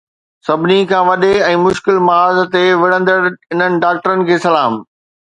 سڀني کان وڏي ۽ مشڪل محاذ تي وڙهندڙ انهن ڊاڪٽرن کي سلام